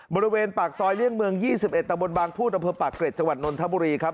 บริเวณปากซอยเลี่ยงเมือง๒๑ตะบนบางพูดอำเภอปากเกร็จจังหวัดนนทบุรีครับ